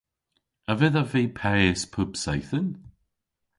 A vedhav vy peys pub seythen?